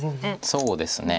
そうですね。